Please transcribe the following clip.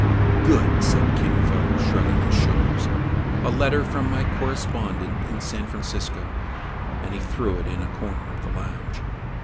" Good !" said Kin Fo, shrugging his shoulders, "a letter from my correspondent in San Fran cisco." And he threw it in a corner of the lounge.